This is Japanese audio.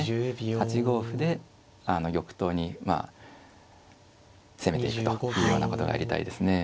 ８五歩で玉頭にまあ攻めていくというようなことがやりたいですね。